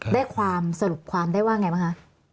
ได้ความสรุปความได้ว่าไงบ้างคะ